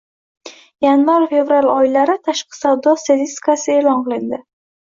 Yanvar-fevral oylari tashqi savdo statistikasi e'lon qilindi